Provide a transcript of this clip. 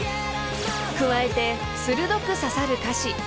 ［加えて鋭く刺さる歌詞］